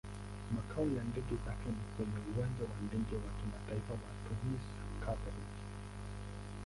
Makao ya ndege zake ni kwenye Uwanja wa Ndege wa Kimataifa wa Tunis-Carthage.